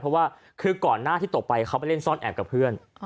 เพราะว่าคือก่อนหน้าที่ตกไปเขาไปเล่นซ่อนแอบกับเพื่อน